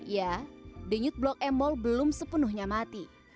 ya denyut blok m mall belum sepenuhnya mati